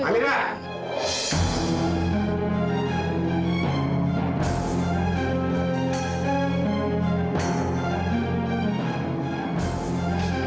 apa yang kamu